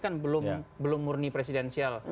kan belum murni presidensial